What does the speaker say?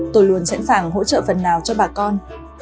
tôi luôn sẵn sàng hỗ trợ phần nào cho bà con